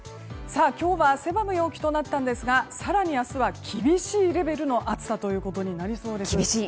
今日は汗ばむ陽気となったんですが更に明日は厳しいレベルの暑さということになりそうです。